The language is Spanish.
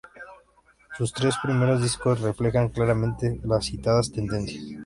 Sus tres primeros discos reflejan claramente las citadas tendencias.